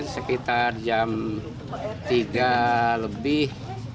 sekitar jam tiga lebih